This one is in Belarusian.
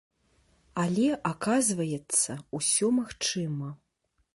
Але, аказваецца, усё магчыма.